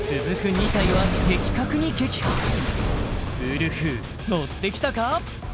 ２体は的確に撃破ウルフのってきたか？